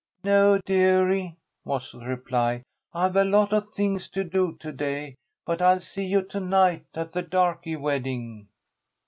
"No, dearie," was the reply. "I've a lot of things to do to day, but I'll see you to night at the darky wedding."